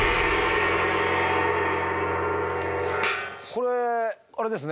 これあれですね